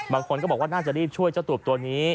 บางคนก็บอกว่าน่าจะรีบช่วยเจ้าตูบตัวนี้